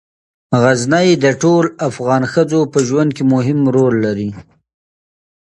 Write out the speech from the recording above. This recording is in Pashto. غزني د ټولو افغان ښځو په ژوند کې مهم رول لري.